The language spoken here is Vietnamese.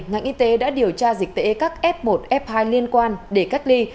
ngành y tế đã điều tra dịch tễ các f một f hai liên quan để cách ly